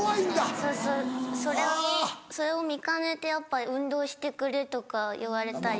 そうそうそれを見かねてやっぱ運動してくれとか言われたり。